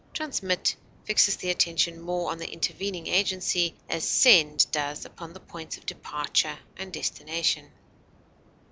Transmit fixes the attention more on the intervening agency, as send does upon the points of departure and destination.